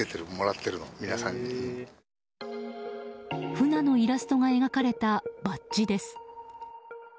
フナのイラストが描かれたバッジです。